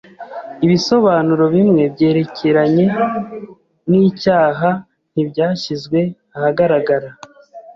Ibisobanuro bimwe byerekeranye nicyaha ntibyashyizwe ahagaragara.